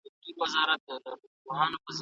ډېر خلک د درملو پرځای په خندا ښه کېږي.